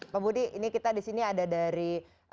pak budi ini kita di sini ada dari